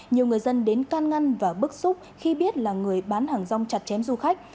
nhiều người dân đến can ngăn và bức xúc khi biết là người bán hàng rong chặt chém du khách